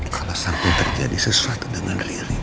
kalau sampai terjadi sesuatu dengan lirik